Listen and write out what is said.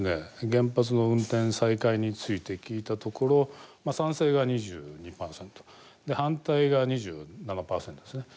原発の運転再開について聞いたところ賛成が２２％反対が２７％ですね。